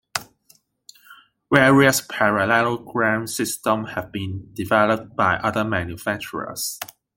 Various parallelogram systems have been developed by other manufacturers.